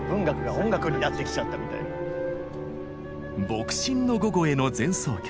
「牧神の午後への前奏曲」。